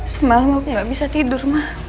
semalam aku gak bisa tidur